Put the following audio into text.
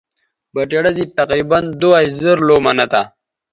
بٹیڑہ زِیب تقریباً دواش زر لَو منہ تھا